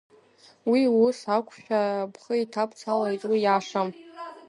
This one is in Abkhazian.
Уи ус акәшәа бхы иҭабцалеит, уи иашам.